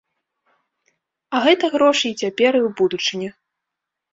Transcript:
А гэта грошы і цяпер, і ў будучыні.